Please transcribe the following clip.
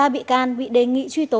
ba bị can bị đề nghị truy tố